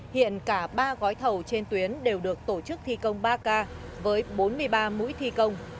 hiện cả ba gói thầu trên tuyến đều được tổ chức thi công ba k với bốn mươi ba mũi thi công